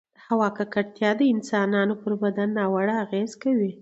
د هـوا ککـړتيـا د انسـانـانو پـر بـدن نـاوړه اغـېزه کـوي